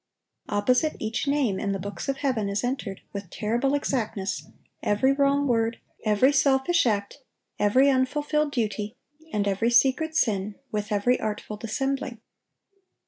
Opposite each name in the books of heaven is entered, with terrible exactness, every wrong word, every selfish act, every unfulfilled duty, and every secret sin, with every artful dissembling.